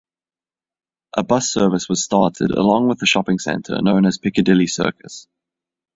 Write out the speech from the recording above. A bus service was started along with a shopping centre, known as Piccadilly Circus.